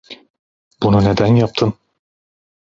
Bunu neden yaptın?